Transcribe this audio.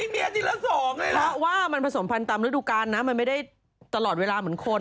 เพราะว่ามันผสมภรรณ์ตามรถดุกาลนะมันไม่ได้ตลอดเวลาเหมือนคน